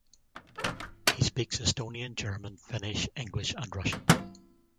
He speaks Estonian, German, Finnish, English and Russian.